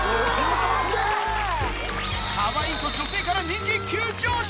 かわいいと女性から人気急上昇。